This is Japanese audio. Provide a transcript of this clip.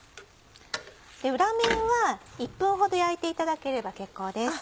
裏面は１分ほど焼いていただければ結構です。